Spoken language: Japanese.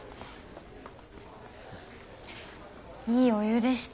いいお湯でした。